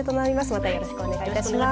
またよろしくお願いいたします。